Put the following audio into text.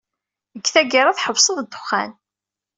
Deg tgara, tḥebseḍ ddexxan.